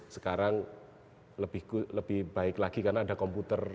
sekarang lebih baik lagi karena ada komputer